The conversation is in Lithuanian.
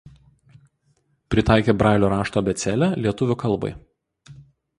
Pritaikė Brailio rašto abėcėlę lietuvių kalbai.